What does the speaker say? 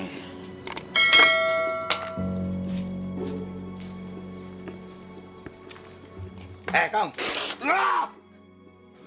dimana dia sekarang ya